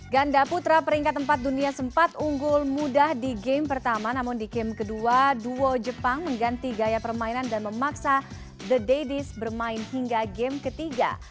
ganda putra peringkat empat dunia sempat unggul mudah di game pertama namun di game kedua duo jepang mengganti gaya permainan dan memaksa the daddies bermain hingga game ketiga